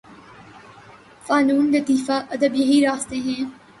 فنون لطیفہ، ادب یہی راستے ہیں۔